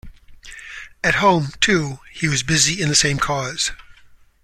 At home, too, he was busy in the same cause.